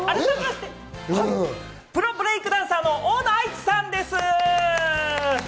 プロブレイクダンサーの大野愛地さんです。